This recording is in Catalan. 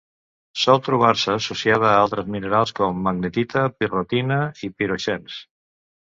Sol trobar-se associada a altres minerals com: magnetita, pirrotina o piroxens.